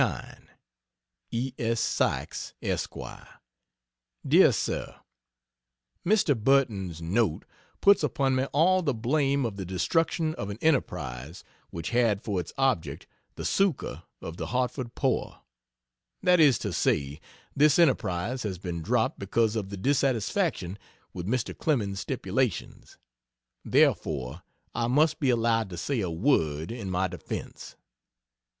S. SYKES, Esq: Dr. SIR, Mr. Burton's note puts upon me all the blame of the destruction of an enterprise which had for its object the succor of the Hartford poor. That is to say, this enterprise has been dropped because of the "dissatisfaction with Mr. Clemens's stipulations." Therefore I must be allowed to say a word in my defense.